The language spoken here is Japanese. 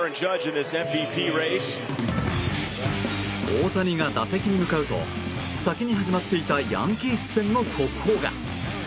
大谷が打席に向かうと先に始まっていたヤンキース戦の速報が。